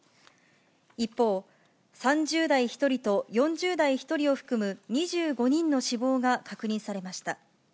一方、３０代１人と４０代１人を含む２５人の死亡が確認されました。